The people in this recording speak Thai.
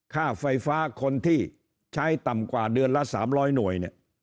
ค่าไฟฟ้าคนที่ใช้ต่ำกว่าเดือนละ๓๐๐หน่วยเนี่ย